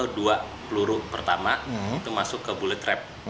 mungkin satu atau dua peluru pertama itu masuk ke bullet trap